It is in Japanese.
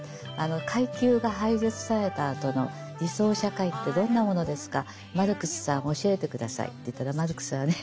階級が廃絶されたあとの理想社会ってどんなものですかマルクスさん教えて下さいって言ったらマルクスはね